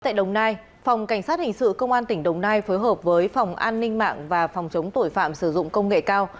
tại đồng nai phòng cảnh sát hình sự công an tỉnh đồng nai phối hợp với phòng an ninh mạng và phòng chống tội phạm sử dụng công nghệ cao